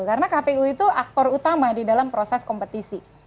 karena kpu itu aktor utama di dalam proses kompetisi